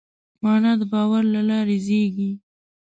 معنی د باور له لارې زېږي.